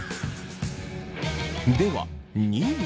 では２位は。